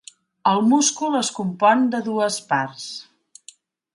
El múscul es compon de dues parts.